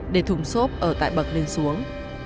để thùng xốp ở tại bậc lên xuống